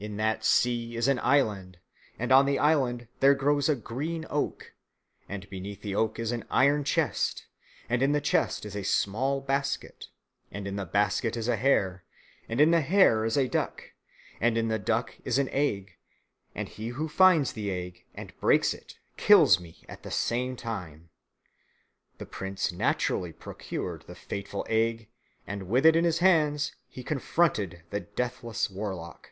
In that sea is an island, and on the island there grows a green oak, and beneath the oak is an iron chest, and in the chest is a small basket, and in the basket is a hare, and in the hare is a duck, and in the duck is an egg; and he who finds the egg and breaks it, kills me at the same time." The prince naturally procured the fateful egg and with it in his hands he confronted the deathless warlock.